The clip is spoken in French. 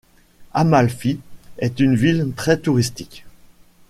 Amalfi est une ville très touristique.